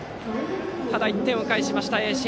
ただ１点を返しました、盈進。